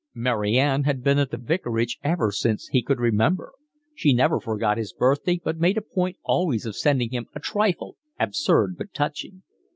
Mary Ann had been at the vicarage ever since he could remember. She never forgot his birthday, but made a point always of sending him a trifle, absurd but touching.